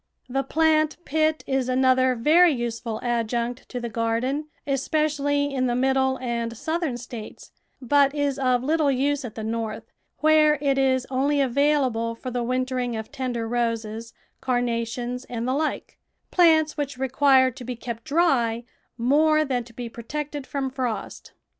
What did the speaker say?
The plant pit is another very useful adjunct to the garden, especially in the IMiddle and Southern States, but is of little use at the North, where it is only available for the wintering of tender roses, carnations, and the like — plants wliich require to be kept dry more than to be protected from frost.